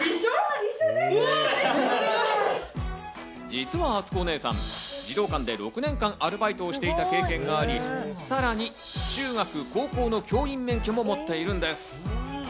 実はあつこお姉さん、児童館で６年間、アルバイトをしていた経験があり、さらに中学・高校の教員免許も持っているんです。